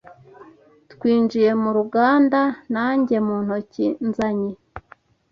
twinjiye mu ruganda nanjye mu ntoki nzanye